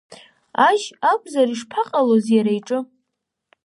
Ажь акәзар ишԥаҟалоз иара иҿы…